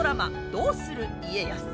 「どうする家康」。